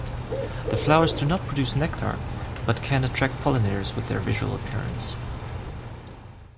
The flowers do not produce nectar, but can attract pollinators with their visual appearance.